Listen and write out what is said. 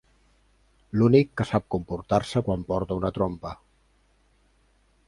L'únic que sap comportar-se quan porta una trompa.